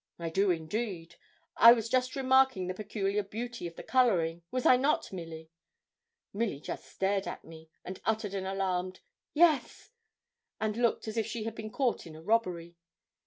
'I do, indeed; I was just remarking the peculiar beauty of the colouring was not I, Milly?' Milly stared at me, and uttered an alarmed 'Yes,' and looked as if she had been caught in a robbery.